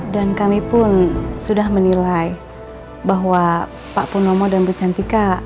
dan kami pun sudah menilai bahwa pak punomo dan bercantika